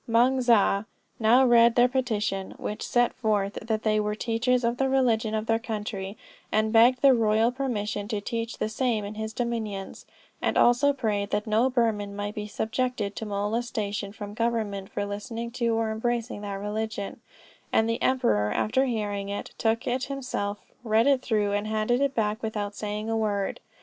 Moung Zah now read their petition, which set forth that they were teachers of the religion of their country, and begged the royal permission to teach the same in his dominions; and also prayed that no Burman might be subjected to molestation from government for listening to or embracing that religion; and the emperor after hearing it, took it himself, read it through and handed it back without saying a word.